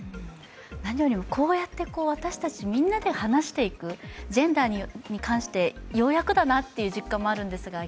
何よりもこうやって私たちみんなで話していく、ジェンダーに関して、ようやくだなという実感もあるんですが。